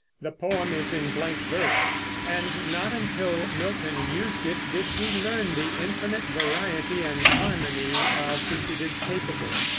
The poem is in blank verse, and not until Milton used it did we learn the infinite variety and harmony of which it is capable.